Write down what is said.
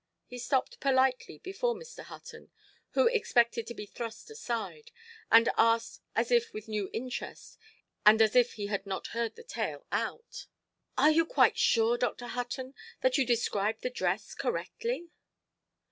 He stopped politely before Mr. Hutton (who expected to be thrust aside), and asked as if with new interest, and as if he had not heard the tale out— "Are you quite sure, Dr. Hutton, that you described the dress correctly"?